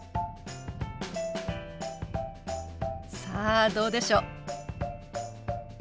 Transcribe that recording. さあどうでしょう？